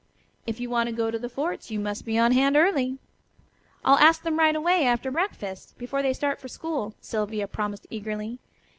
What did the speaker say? "If you want to go to the forts you must be on hand early." "I'll ask them right away after breakfast, before they start for school," Sylvia promised eagerly.